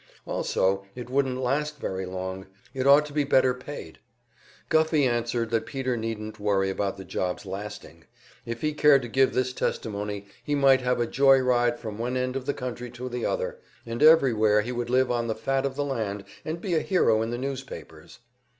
Also, it wouldn't last very long; it ought to be better paid. Guffey answered that Peter needn't worry about the job's lasting; if he cared to give this testimony, he might have a joy ride from one end of the country to the other, and everywhere he would live on the fat of the land, and be a hero in the newspapers.